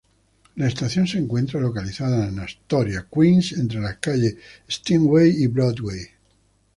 La estación se encuentra localizada en Astoria, Queens entre la Calle Steinway y Broadway.